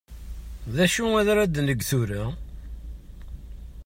D acu ar ad neg tura?